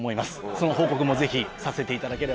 その報告もぜひさせていただければと思います。